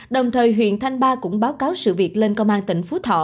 đồng thời huyện thanh ba cũng báo cáo sự việc lên công an tỉnh phú thọ